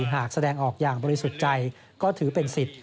หากแสดงออกอย่างบริสุทธิ์ใจก็ถือเป็นสิทธิ์